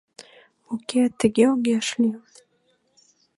«Уке, тыге огеш лий.